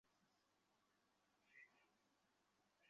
আমি পালক হারিয়ে ফেলেছি।